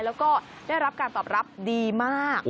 แล้วก็ได้รับการตอบรับดีมาก